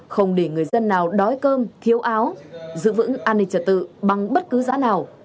không để người dân nào đói cơm thiếu áo giữ vững an ninh trật tự bằng bất cứ giá nào